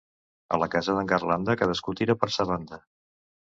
A la casa d'en Garlanda, cadascú tira per sa banda.